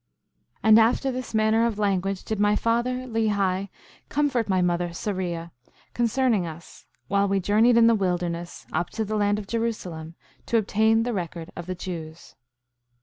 5:6 And after this manner of language did my father, Lehi, comfort my mother, Sariah, concerning us, while we journeyed in the wilderness up to the land of Jerusalem, to obtain the record of the Jews.